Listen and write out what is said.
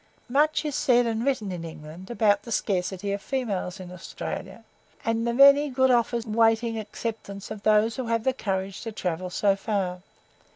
Much is said and written in England about the scarcity of females in Australia, and the many good offers awaiting the acceptance of those who have the courage to travel so far.